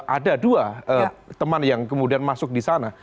ada dua teman yang kemudian masuk di sana